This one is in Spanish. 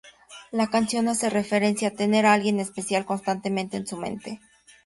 La canción hace referencia a tener a alguien en especial constantemente en su mente.